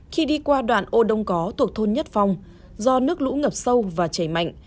khi đi qua đoạn ô đông có thuộc thôn nhất phong do nước lũ ngập sâu và chảy mạnh